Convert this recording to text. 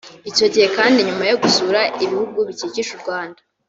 Icyo gihe kandi nyuma yo gusura ibihugu bikikije u Rwanda